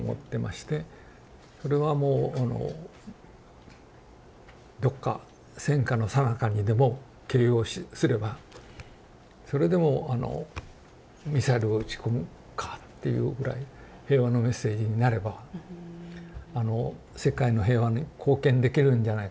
これはもうどっか戦火のさなかにでも掲揚すればそれでもあのミサイルを撃ち込むかっていうぐらい平和のメッセージになればあの世界の平和に貢献できるんじゃないかと。